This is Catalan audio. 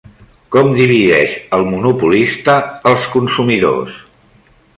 Com divideix el monopolista els consumidors?